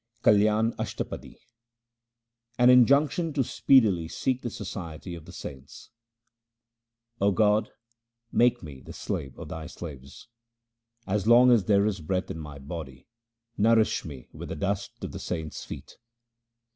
Kalian Ashtapadi An injunction to speedily seek the society of the saints :— 0 God, make me the slave of Thy slaves ; As long as there is breath in my body, nourish me with the dust of the saints' feet.